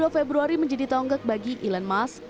dua puluh februari menjadi tonggak bagi elon musk